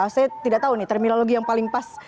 saya tidak tahu nih terminologi yang paling pas